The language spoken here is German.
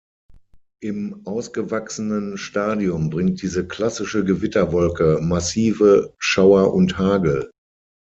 Im ausgewachsenen Stadium bringt diese klassische Gewitterwolke massive Schauer und Hagel.